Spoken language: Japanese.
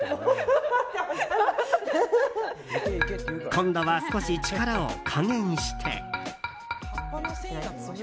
今度は少し力を加減して。